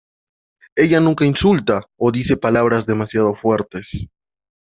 Ella nunca insulta o dice palabras demasiado fuertes.